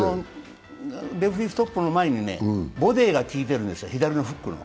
レフェリーストップの前にボディが効いているんですよ、左のフックの。